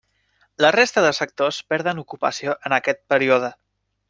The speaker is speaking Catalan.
La resta de sectors perden ocupació en aquest període.